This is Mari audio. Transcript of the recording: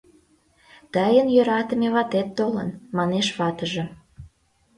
Тыйын йӧратыме ватет толын, — манеш ватыже.